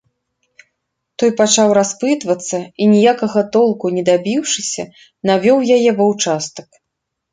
Той пачаў распытвацца і, ніякага толку не дабіўшыся, навёў яе ва ўчастак.